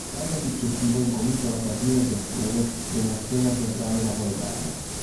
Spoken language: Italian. L'anno successivo incomincia la carriera di attore nella scena teatrale napoletana.